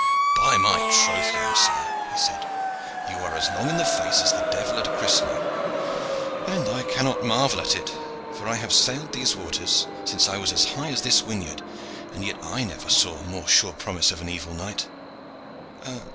"By my troth, young sir," he said, "you are as long in the face as the devil at a christening, and I cannot marvel at it, for I have sailed these waters since I was as high as this whinyard, and yet I never saw more sure promise of an evil night."